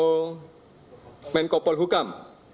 serta menteri komenkopol hukam